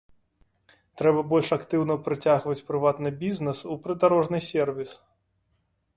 Трэба больш актыўна прыцягваць прыватны бізнэс у прыдарожны сервіс.